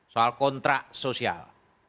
soal kontrak sosial